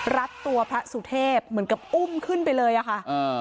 รัดตัวพระสุเทพเหมือนกับอุ้มขึ้นไปเลยอะค่ะ